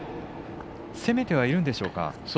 攻めてはいるんでしょうか？